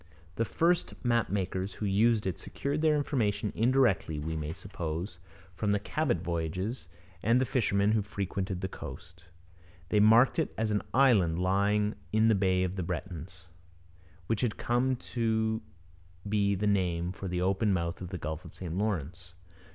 The first map makers who used it secured their information indirectly, we may suppose, from the Cabot voyages and the fishermen who frequented the coast. They marked it as an island lying in the 'Bay of the Bretons,' which had come to be the name for the open mouth of the Gulf of St Lawrence.